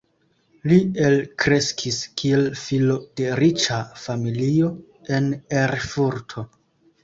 Li elkreskis kiel filo de riĉa familio en Erfurto.